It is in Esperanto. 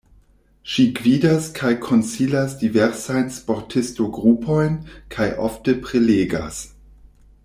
Ŝi gvidas kaj konsilas diversajn sportisto-grupojn kaj ofte prelegas.